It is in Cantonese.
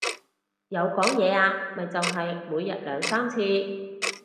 有講嘢啊，咪就係每日兩三次